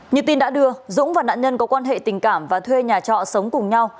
như tin đã đưa dũng và nạn nhân có quan hệ tình cảm và thuê nhà trọ sống cùng nhau